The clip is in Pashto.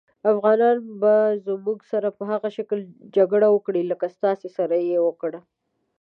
افغانان به زموږ سره په هغه شکل جګړه وکړي لکه ستاسې سره یې وکړه.